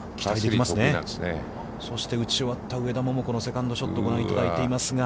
そして打ち終わった上田桃子のセカンドショットをご覧いただいていますが。